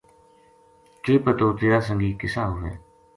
کے پتو تیرا سنگی کسا ہوئے